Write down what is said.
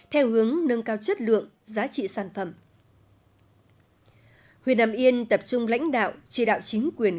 theo hướng nâng cao chất lượng giá trị sản phẩm huyền nam yên tập trung lãnh đạo tri đạo chính quyền